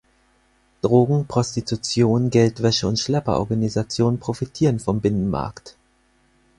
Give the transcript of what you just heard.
Drogen, Prostitution, Geldwäsche und Schlepperorganisationen profitieren vom Binnenmarkt.